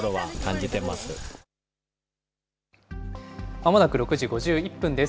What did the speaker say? まもなく６時５１分です。